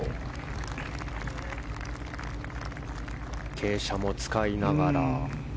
傾斜も使いながら。